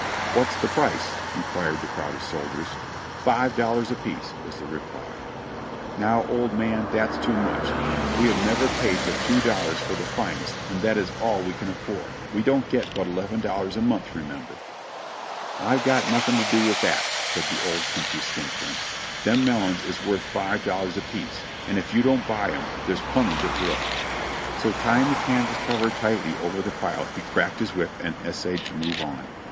"What's the price?" inquired the crowd of soldiers. "Five dollars apiece," was the reply. "Now, old man, that's too much ; we have never paid but two dollars for the finest, and that is all that we can afford ; we don't get but eleven dollars a month, remember." "I've got nothing to do with that," said this country skinflint. "Them melons is worth five dollars apiece, and if you don't buy 'em, there's plenty that will." So, tying the canvas cover tightly over the pile he cracked his whip and essayed to move on.